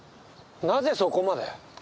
なぜそこまで。